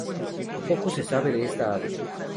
Poco se sabe de esta ave.